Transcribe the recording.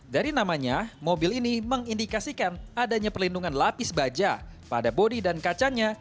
dari namanya mobil ini mengindikasikan adanya perlindungan lapis baja pada bodi dan kacanya